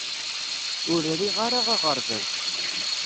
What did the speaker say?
Ur riɣ ara aɣerbaz.